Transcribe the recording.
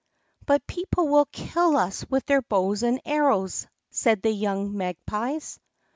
"But people will kill us with their bows and arrows," said the young magpies.